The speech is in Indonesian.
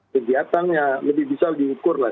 kegiatannya lebih bisa diukur lah